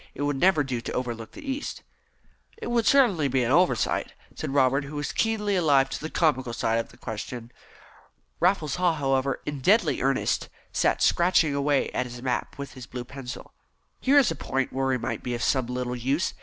It would never do to overlook the East." "It would certainly be an oversight," said Robert, who was keenly alive to the comical side of the question. Raffles Haw, however, in deadly earnest, sat scratching away at his map with his blue pencil. "Here is a point where we might be of some little use.